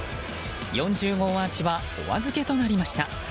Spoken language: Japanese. ４０号アーチはお預けとなりました。